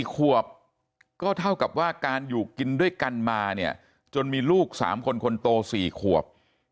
๔ขวบก็เท่ากับว่าการอยู่กินด้วยกันมาเนี่ยจนมีลูก๓คนคนโต๔ขวบ